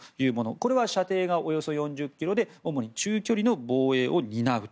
これは射程がおよそ４０ｋｍで中距離の防衛を担う。